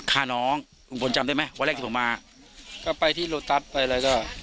ฆ่าน้องลุงพลจำได้ไหมวันแรกที่ผมมาก็ไปที่โลตัสไปอะไรก็